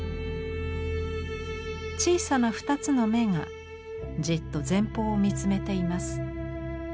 小さな２つの眼がじっと前方を見つめています。